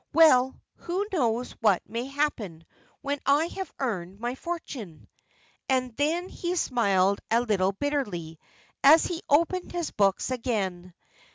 Well, who knows what may happen, when I have earned my fortune?" And then he smiled a little bitterly, as he opened his books again.